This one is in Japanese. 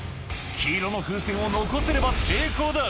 黄色の風船を残せれば成功だ